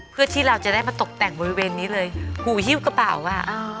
เพื่อที่เราจะได้มาตกแต่งบริเวณนี้เลยหูฮิ้วกระเป๋าค่ะ